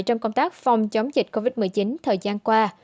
trong công tác phòng chống dịch covid một mươi chín thời gian qua